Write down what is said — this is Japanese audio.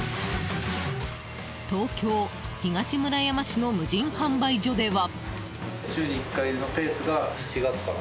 東京・東村山市の無人販売所では。